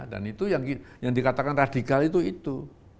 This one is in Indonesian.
dan itu yang dikatakan radikal itu itu